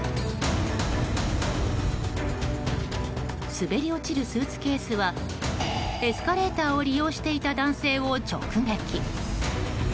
滑り落ちるスーツケースはエスカレーターを利用していた男性を直撃。